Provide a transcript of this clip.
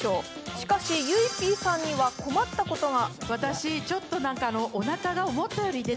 しかし、ゆいＰさんには困ったことが。